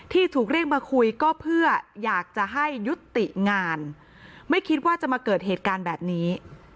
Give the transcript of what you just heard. ที่ถูกเรียกมาคุยก็เพื่ออยากจะให้ยุติงานไม่คิดว่าจะมาเกิดเหตุการณ์แบบนี้